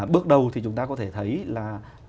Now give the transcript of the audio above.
bước đầu thì chúng ta có thể thấy là